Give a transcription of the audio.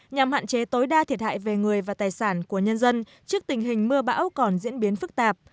nhằm hạn chế tối đa thiệt hại về người và tài sản của nhân dân trước tình hình mưa bão còn diễn biến phức tạp